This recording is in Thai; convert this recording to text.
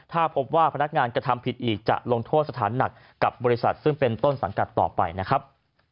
ถ้าพบว่าพนักงานกระทำผิดอีกจะลงโทษสถานหนักกับบริษัทซึ่งเป็นต้นสังกัดต่อไปนะครับ